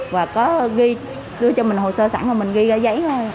và có ghi đưa cho mình hồ sơ sẵn và mình ghi ra giấy thôi